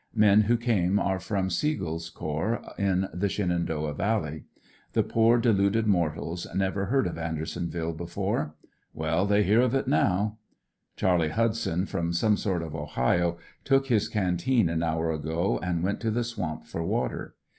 Men who came are from Siegel's corps in the Shenandoah Valley. The poor deluded mortals never heard of Andersonville before. Well, they hear of it now. Charlie Hudson, from some part of Ohio, took his canteen an hour ago and went to the swamp for water.